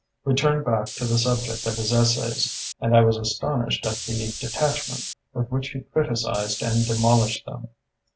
We turned back to the subject of his essays, and I was astonished at the detachment with which he criticised and demolished them.